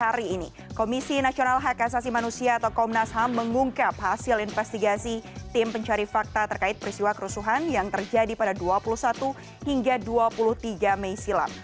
hari ini komisi nasional hak asasi manusia atau komnas ham mengungkap hasil investigasi tim pencari fakta terkait peristiwa kerusuhan yang terjadi pada dua puluh satu hingga dua puluh tiga mei silam